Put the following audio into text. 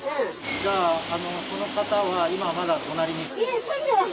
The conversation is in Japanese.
じゃあ、その方は今まだ隣に。